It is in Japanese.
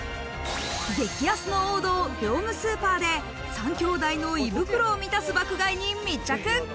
激安の王道、業務スーパーで３兄弟の胃袋を満たす爆買いに密着。